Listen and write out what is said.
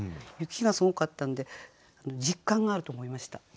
雪がすごかったので実感があると思いました。